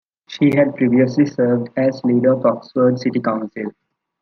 She had previously served as Leader of Oxford City Council.